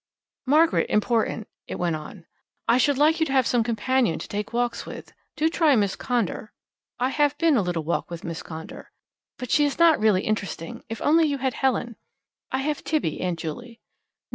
"Margaret important," it went on: "I should like you to have some companion to take walks with. Do try Miss Conder." "I have been a little walk with Miss Conder." "But she is not really interesting. If only you had Helen." "I have Tibby, Aunt Juley."